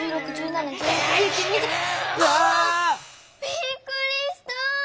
びっくりした！